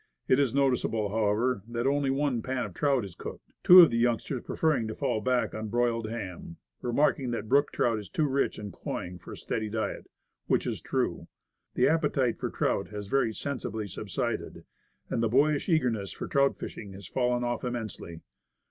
It is noticeable, how ever, that only one pan of trout is cooked, two of the youngsters preferring to fall back on broiled ham, remarking that brook trout is too rich and cloying for a steady diet. Which is true. The appetite for trout has very sensibly subsided, and the boyish eagerness for trout fishing has fallen off immensely.